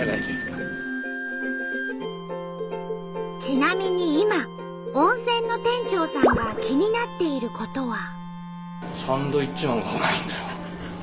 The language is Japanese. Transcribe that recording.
ちなみに今温泉の店長さんが気になっていることは。